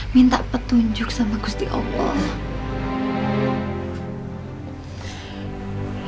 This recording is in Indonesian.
minta petunjuk sama gusti allah